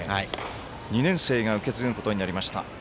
２年生が受け継ぐことになりました。